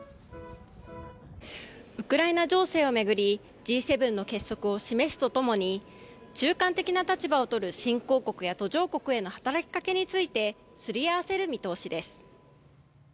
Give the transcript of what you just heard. ウクライナ情勢を巡りＧ７の結束を示すとともに中間的な立場を取る新興国や途上国への働きかけについてすり合わせる見通しです。